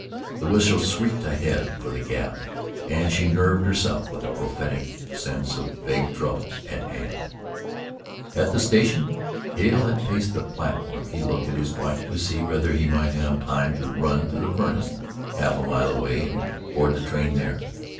The whistle shrieked ahead for the Gap and she nerved herself with a prophetic sense of vague trouble at hand. At the station Hale had paced the platform. He looked at his watch to see whether he might have time to run up to the furnace, half a mile away, and board the train there.